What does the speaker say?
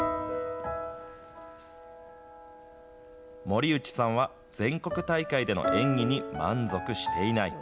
森内さんは全国大会での演技に満足していない。